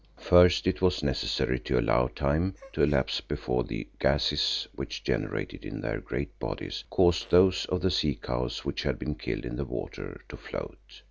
First it was necessary to allow time to elapse before the gases which generated in their great bodies caused those of the sea cows which had been killed in the water, to float.